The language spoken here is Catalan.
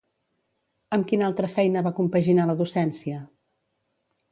Amb quina altra feina va compaginar la docència?